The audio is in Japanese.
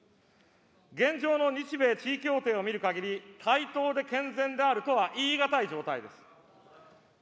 現状の日米地位協定を見るかぎり、対等で健全であるとは言い難い状態です。